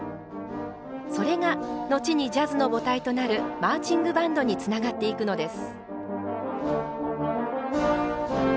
それが後にジャズの母体となるマーチングバンドにつながっていくのです。